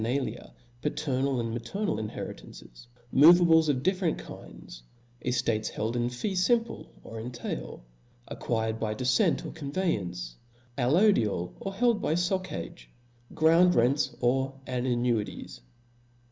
nalia, paternal and maternal inheritances ; move* . ables of different kinds 5 eftates held in fee fimple, or in tail ; acquired by defcent or conveyance ; al lodial, or held by foccage ; ground rents, or an nuities.